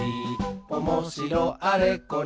「おもしろあれこれ